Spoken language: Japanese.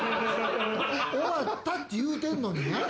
終わったって言ってんのにね。